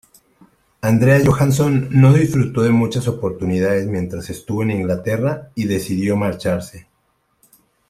Andreas Johansson no disfrutó de muchas oportunidades mientras estuvo en Inglaterra y decidió marcharse.